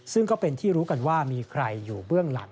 ซึ่งก็เป็นที่รู้กันว่ามีใครอยู่เบื้องหลัง